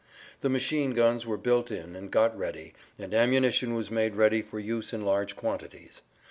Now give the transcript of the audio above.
The machine guns were built in and got ready, and ammunition was made ready for use in large quantities.